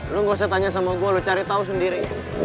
lo gak usah tanya sama gue lo cari tahu sendiri